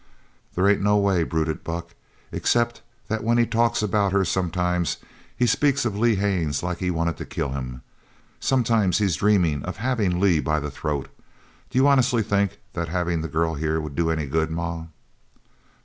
"There ain't no way," brooded Buck, "except that when he talks about her sometimes he speaks of Lee Haines like he wanted to kill him. Sometimes he's dreamin' of havin' Lee by the throat. D'you honest think that havin' the girl here would do any good, ma?"